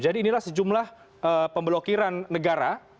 jadi inilah sejumlah pemblokiran negara